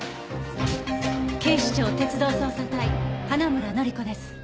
警視庁鉄道捜査隊花村乃里子です。